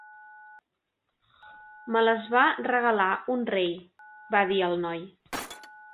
"Me les va regalar un rei", va dir el noi.